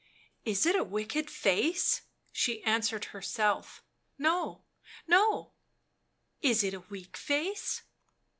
" Is it a wicked face?" She answered herself —" No, no." " Is it a weak face?"